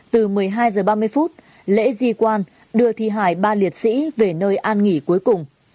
từ một mươi hai h ba mươi lễ di quan đưa thi hải ba liệt sĩ về nơi an nghỉ cuối cùng